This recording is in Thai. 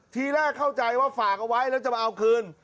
ทีแรกเข้าใจว่าฝากเอาไว้แล้วจะมาเอาคืน